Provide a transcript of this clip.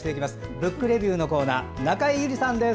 「ブックレビュー」のコーナー中江有里さんです。